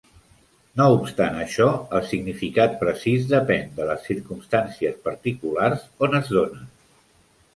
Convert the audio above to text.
No obstant això, el significat precís depèn de les circumstàncies particulars on es donen.